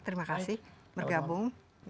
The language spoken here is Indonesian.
terima kasih bergabung